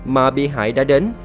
mà bị hại đã đến